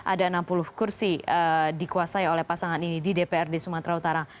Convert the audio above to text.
ada enam puluh kursi dikuasai oleh pasangan ini di dprd sumatera utara